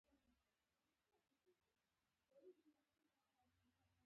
چک لیست د پوښتنو یو لیست دی.